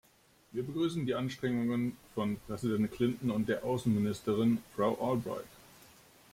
Wir begrüßen die Anstrengungen von Präsident Clinton und der Außenministerin, Frau Albright.